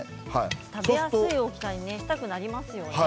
食べやすい大きさに切りたくなりますもんね。